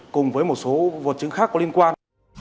cùng với một số vật chứng khác có liên quan